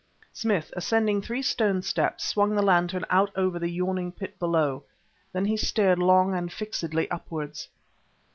Smith, ascending three stone steps, swung the lantern out over the yawning pit below; then he stared long and fixedly upwards.